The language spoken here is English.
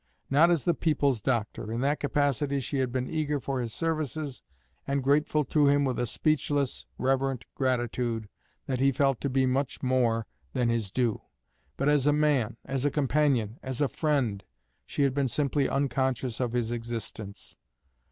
Not as the people's doctor. In that capacity she had been eager for his services, and grateful to him with a speechless, reverent gratitude that he felt to be much more than his due; but as a man, as a companion, as a friend, she had been simply unconscious of his existence.